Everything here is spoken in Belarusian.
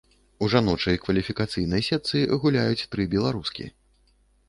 У жаночай кваліфікацыйнай сетцы гуляюць тры беларускі.